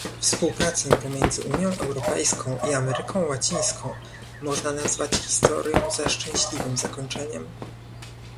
Współpracę pomiędzy Unią Europejską i Ameryką Łacińską można nazwać historią ze szczęśliwym zakończeniem